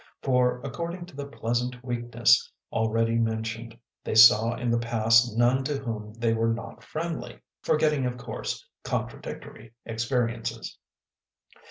For according to the pleasant weakness already mentioned, they saw in the past none to whom they were not friendly ; forgetting, of course, contradictory experiences.